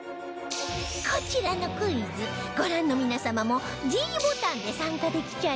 こちらのクイズご覧の皆様も ｄ ボタンで参加できちゃいます